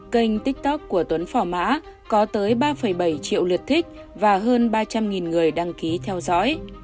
kênh tiktok của tuấn phỏ mã có tới ba bảy triệu lượt thích và hơn ba trăm linh người đăng ký theo dõi